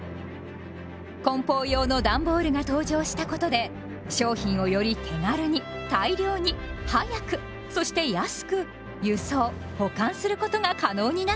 梱包用のダンボールが登場したことで商品をより手軽に大量に早くそして安く輸送・保管することが可能になったのです。